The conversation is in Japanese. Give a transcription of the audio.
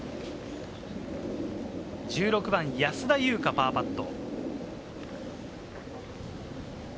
１６番、安田祐香、パーパット。